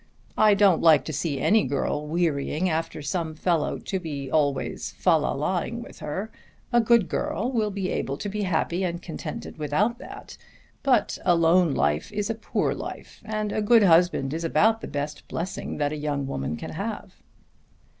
I don't like to see any girl wearying after some fellow to be always fal lalling with her. A good girl will be able to be happy and contented without that. But a lone life is a poor life, and a good husband is about the best blessing that a young woman can have."